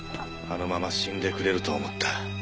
あのまま死んでくれると思った。